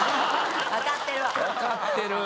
分かってるわ！